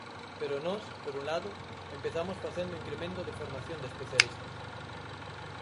Pero nós, por un lado, empezamos facendo incremento de formación de especialistas.